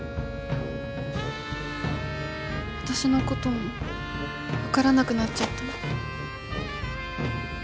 私のことも分からなくなっちゃったの？